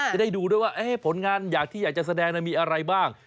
จะได้ดูด้วยว่าผลงานอย่างที่อยากจะแสดงมีอะไรบ้าง